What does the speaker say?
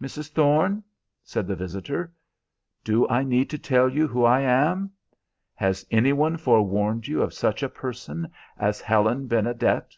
"Mrs. Thorne?" said the visitor. "Do I need to tell you who I am? Has any one forewarned you of such a person as Helen Benedet?"